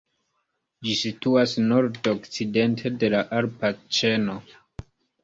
Ĝi situas nord-okcidente de la alpa ĉeno.